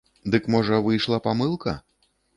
Дык можа, выйшла памылка?